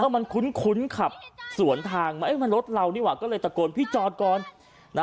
มันคุ้นขับสวนทางมามันรถเรานี่หว่ะก็เลยตะโกนพี่จอดก่อน